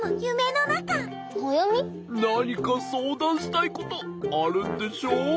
なにかそうだんしたいことあるんでしょう？